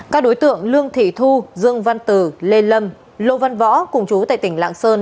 các đối tượng lương thị thu dương văn từ lê lâm lô văn võ cùng chú tại tỉnh lạng sơn